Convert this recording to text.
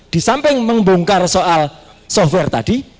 disamping membongkar soal software tadi